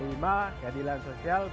lima keadilan sosial